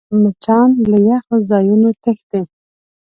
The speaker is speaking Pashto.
مچان له یخو ځایونو تښتي